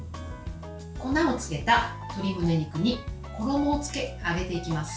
粉をつけた鶏むね肉に衣をつけ、揚げていきます。